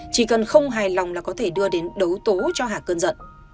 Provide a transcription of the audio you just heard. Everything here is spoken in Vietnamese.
chỉ cần không hài lòng là có thể đưa đến đấu tố cho hà cơn giận